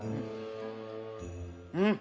うん！